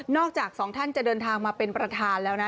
จากสองท่านจะเดินทางมาเป็นประธานแล้วนะ